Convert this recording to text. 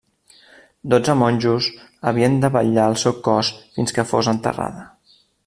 Dotze monjos havien de vetllar el seu cos fins que fos enterrada.